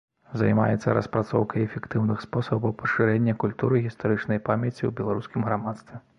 Займаецца распрацоўкай эфектыўных спосабаў пашырэння культуры гістарычнай памяці ў беларускім грамадстве.